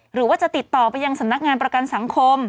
หรือว่าจะติดต่อไปยังสำนักงานประกันสังคม